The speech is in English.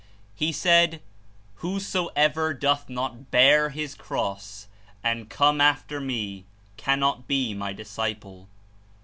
He said, "JVhosoe'uer doth not hear his cross, and come after me, cannot he my disciple."